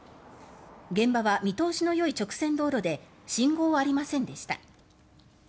現場は見通しのよい直線道路で信号はありませんでした。